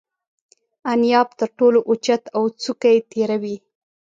انیاب تر ټولو اوچت او څوکه یې تیره وي.